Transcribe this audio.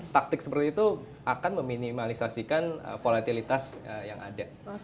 taktik seperti itu akan meminimalisasikan volatilitas yang ada